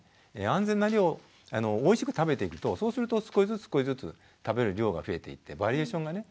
安全な量をおいしく食べていくとそうすると少しずつ少しずつ食べる量が増えていってバリエーションがね